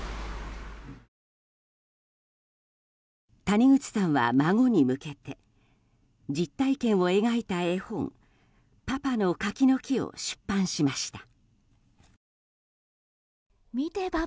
谷口さんは孫に向けて実体験を描いた絵本「パパの柿の木」を出版しました。